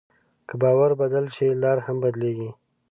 که باور بدل شي، لاره هم بدلېږي.